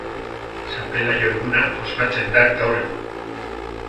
San Pelaio eguna ospatzen da gaur egun.